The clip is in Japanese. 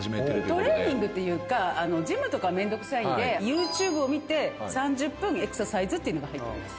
トレーニングというかジムとかめんどくさいんでＹｏｕＴｕｂｅを見て３０分エクササイズってのが入ってます。